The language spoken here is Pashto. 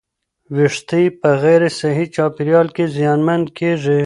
ویښتې په غیر صحي چاپېریال کې زیانمن کېږي.